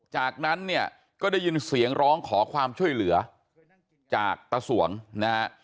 จากนั้นเนี่ยก็ได้ยินเสียงร้องขอความช่วยเหลือจากตาสวงนะฮะ